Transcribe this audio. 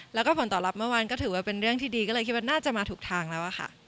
แล้วก็ผลตอบรับเมื่อวานก็ถือว่าเป็นเรื่องที่ดีก็เลยคิดว่าน่าจะมาถูกทางแล้วค่ะ